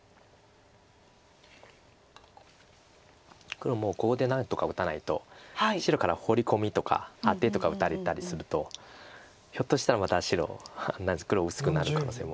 黒もここで何とか打たないと白からホウリコミとかアテとか打たれたりするとひょっとしたらまた黒薄くなる可能性も。